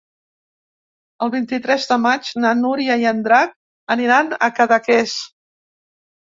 El vint-i-tres de maig na Núria i en Drac aniran a Cadaqués.